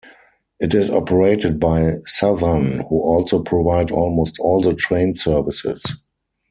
It is operated by Southern, who also provide almost all the train services.